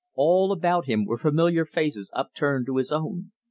All about him were familiar faces upturned to his own.